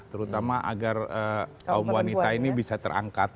terutama agar kaum wanita ini bisa terangkat